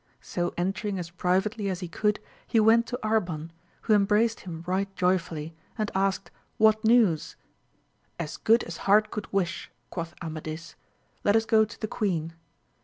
So entering as privately as he could he went to Arban, who embraced him right jo3rfully, and asked, what news 1 As good as heart could wish ! quoth Amadis : let us go to the queen.